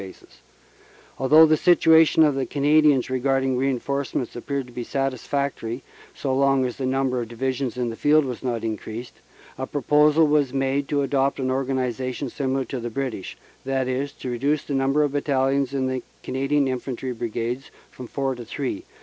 12 CANADA S HUNDRED DAYS Although the situation of the Canadians regarding reinforce ments appeared to be satisfactory so long as the number of Divisions in the field was not increased, a proposal was made to adopt an organization similar to the British, that is, to reduce the number of Battalions in the Canadian Infantry Brigades from four to three.